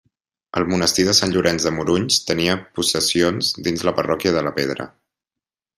El monestir de Sant Llorenç de Morunys tenia possessions dins la parròquia de la Pedra.